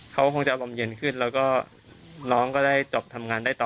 เขาคงจะอารมณ์เย็นขึ้นแล้วก็น้องก็ได้จบทำงานได้ต่อ